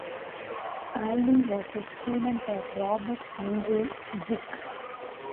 Alley was a student of Robert Henry Dicke.